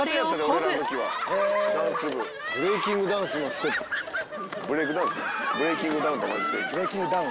ブレイキングダウンとか。